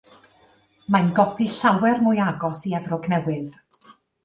Mae'n gopi llawer mwy agos i Efrog Newydd.